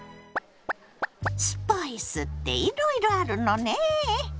スパイスっていろいろあるのねえ。